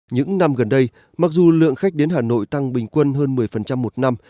những năm gần đây mặc dù lượng khách đến hà nội tăng bình quân hơn một mươi một năm